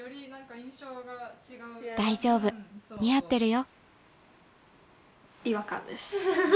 大丈夫似合ってるよ。